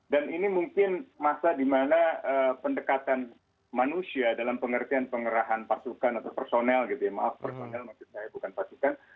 dan ini mungkin masa dimana pendekatan manusia dalam pengertian pengerahan pasukan atau personel gitu ya maaf personel maksud saya bukan pasukan